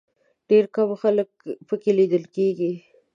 ډېر کم خلک په کې لیدل کېږي.